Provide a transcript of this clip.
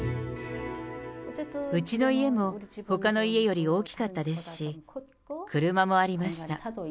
うちの家もほかの家より大きかったですし、車もありました。